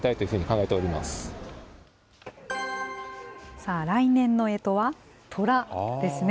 さあ、来年のえとはとらですね。